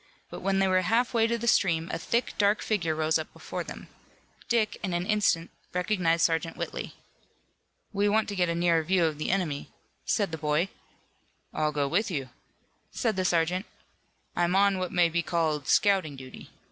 But when they were half way to the stream a thick, dark figure rose up before them. Dick, in an instant, recognized Sergeant Whitley. "We want to get a nearer view of the enemy," said the boy. "I'll go with you," said the sergeant. "I'm on what may be called scouting duty.